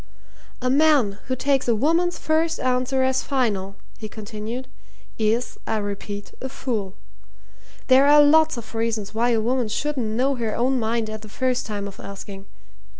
"A man who takes a woman's first answer as final," he continued, "is, I repeat, a fool. There are lots of reasons why a woman shouldn't know her own mind at the first time of asking.